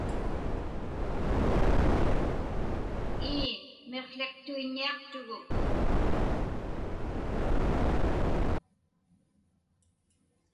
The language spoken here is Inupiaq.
Ii, miqłiqtuiññiaqtuguk.